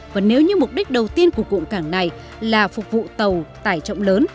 và nếu như mục đích đầu tiên của cụm cảng này là phục vụ tàu tải trọng lớn